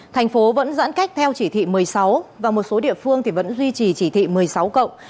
thành phố vẫn giãn cách theo chỉ thị một mươi sáu và một số địa phương vẫn duy trì chỉ thị một mươi sáu cộng